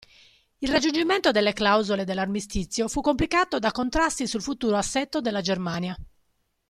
Il raggiungimento delle clausole dell'armistizio fu complicato da contrasti sul futuro assetto della Germania.